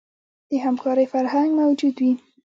د همکارۍ فرهنګ موجود وي.